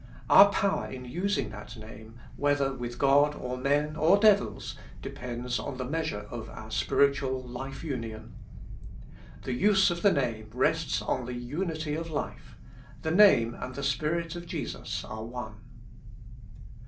Our power in using that Name, whether with God, or men, or devils, depejids on the measure of our spiritual life imio7i. The use of the name rests on the unity of life ; the Name and the Spirit of Jesus are one.